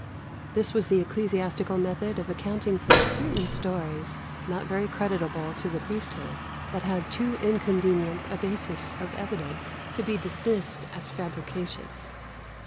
This was the ecclesiastical method of accounting for certain stories, not very creditable to the priesthood, that had too inconvenient a basis of evidence to be dismissed as fabricatious.